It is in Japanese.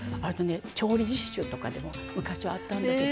調理実習とかでも昔はあったんだけど。